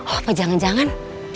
oh apa jangan jangan